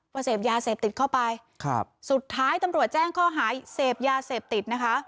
เสพยาเสพติดเข้าไปครับสุดท้ายตำรวจแจ้งข้อหาเสพยาเสพติดนะคะ